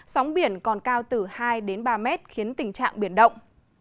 sóng biển còn cao từ hai đến ba mét khiến tình trạng biển động